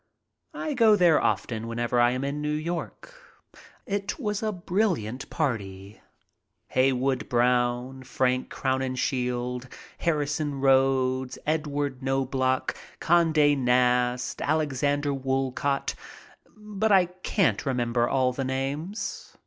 I go there often whenever I am in New York. It was a brilliant party. Heywood Broun, Frank Crowninshield, Harrison Rhodes, Edward Knobloch, Conde Nast, Alexander Woolcott — but I can't remember all the names.